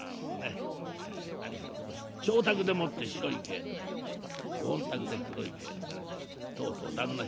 何しろご妾宅でもって白い毛抜かれてご本宅で黒い毛抜かれてとうとう旦那